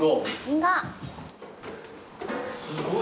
すごい。